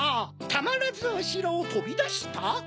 たまらずおしろをとびだした？